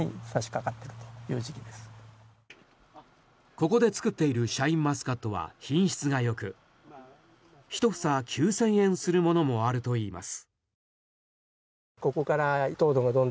ここで作っているシャインマスカットは品質がよく１房９０００円するものもあるといいます。